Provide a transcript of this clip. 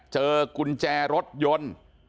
เจอกุญแจรถยนต์